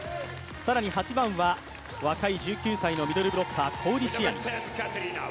更に８番は若い１９歳のミドルブロッカー、コウリシアニ。